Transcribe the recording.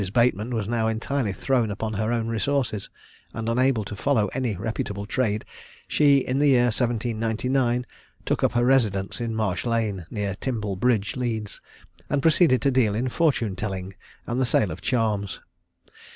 Bateman was now entirely thrown upon her own resources, and unable to follow any reputable trade, she in the year 1799 took up her residence in Marsh Lane, near Timble Bridge, Leeds, and proceeded to deal in fortune telling and the sale of charms.